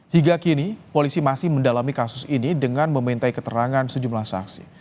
hingga kini polisi masih mendalami kasus ini dengan memintai keterangan sejumlah saksi